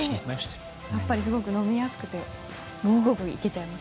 さっぱり飲みやすくてごくごくいけちゃいます。